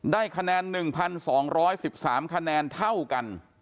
ได้คะแนน๑๒๑๓คะแนนเท่ากัน